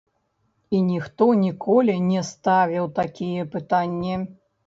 І ніхто ніколі не ставіў такія пытанні.